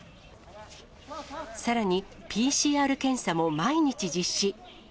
さらに、ＰＣＲ検査も毎日実施。